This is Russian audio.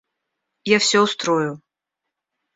Я всё устрою.